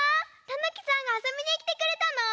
たぬきさんがあそびにきてくれたの？